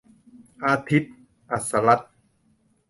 อาทิตย์ อัสสรัตน์